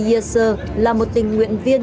ayer sir là một tình nguyện viên